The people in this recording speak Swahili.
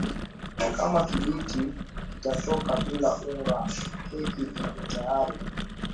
Kama kijiti kitatoka bila unga keki iko tayar